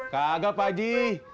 kagak pak aji